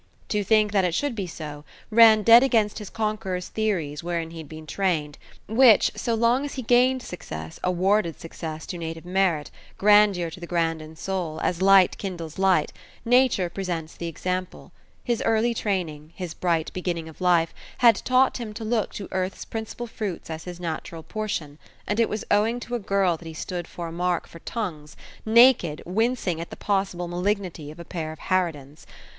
To think that it should be so, ran dead against his conqueror's theories wherein he had been trained, which, so long as he gained success awarded success to native merit, grandeur to the grand in soul, as light kindles light: nature presents the example. His early training, his bright beginning of life, had taught him to look to earth's principal fruits as his natural portion, and it was owing to a girl that he stood a mark for tongues, naked, wincing at the possible malignity of a pair of harridans.